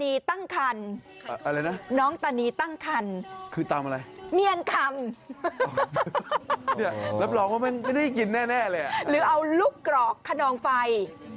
อีกอย่างแรกนะคะยำคนละยำสองยำแล้วก็ลูกกรอกคนนองไฟ